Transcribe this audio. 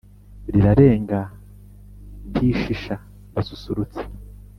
Rirarenga ntishisha ndasusurutse